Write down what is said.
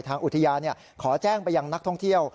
อุทยานขอแจ้งไปยังนักท่องเที่ยว